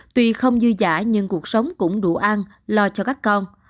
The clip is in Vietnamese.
tuy không dư giã nhưng cuộc sống cũng đủ ăn lo cho các con